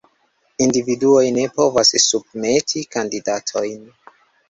Individuoj ne povas submeti kandidatojn.